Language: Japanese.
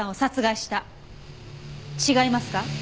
違いますか？